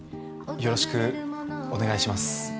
よろしくお願いします。